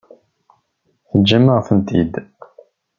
Teǧǧam-aɣ-tent-id.